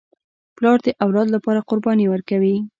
پلار د اولاد لپاره قرباني ورکوي.